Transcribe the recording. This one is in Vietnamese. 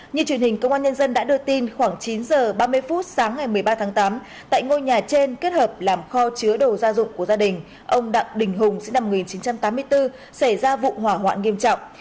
như truyền hình công an nhân dân đã đưa tin khoảng chín h ba mươi phút sáng ngày một mươi ba tháng tám tại ngôi nhà trên kết hợp làm kho chứa đồ gia dụng của gia đình ông đặng đình hùng sinh năm một nghìn chín trăm tám mươi bốn xảy ra vụ hỏa hoạn nghiêm trọng